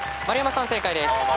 丸山さん正解です。